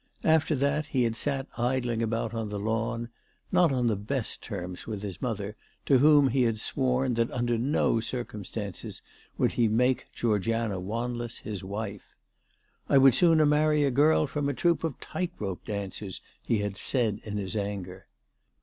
After that he, had sat idling about on the lawn, not on the best terms with his mother, to whom he had sworn that, under no circumstances, would he make Georgiana Wanless his wife. " I would sooner marry a girl from a troop of tight rope dancers," he had said in his anger.